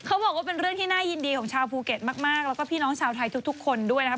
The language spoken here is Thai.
เขาบอกว่าเป็นเรื่องที่น่ายินดีของชาวภูเก็ตมากแล้วก็พี่น้องชาวไทยทุกคนด้วยนะครับ